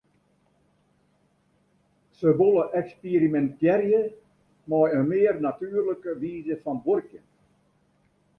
Se wolle eksperimintearje mei in mear natuerlike wize fan buorkjen.